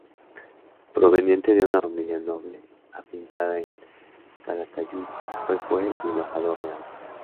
Proveniente de una familia noble afincada en Calatayud, fue juez y embajador real.